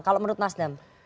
kalau menurut nasdem